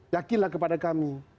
yakinlah kepada kami